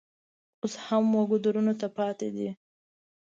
اوس هم ګودرونه پاتې دي.